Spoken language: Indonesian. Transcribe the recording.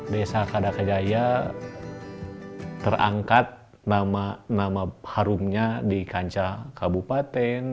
desa kadakajaya terangkat nama harumnya di kancah kabupaten